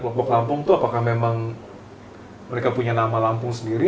kelompok lampung itu apakah memang mereka punya nama lampung sendiri